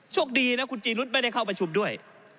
โชคดีนะคุณจีรุษไม่ได้เข้าประชุมด้วย